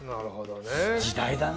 時代だね。